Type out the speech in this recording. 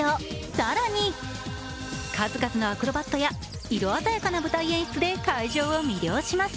更に数々のアクロバットや色鮮やかな舞台演出で会場を魅了します。